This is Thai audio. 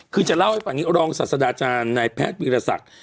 คือจะเล่าให้บอกอารองศาสดาอาจารย์นายแพทย์วิทยาศักดิ์